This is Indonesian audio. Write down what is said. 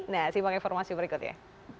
nah simpang informasi berikutnya